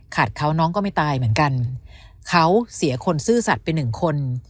เขาน้องก็ไม่ตายเหมือนกันเขาเสียคนซื่อสัตว์ไปหนึ่งคน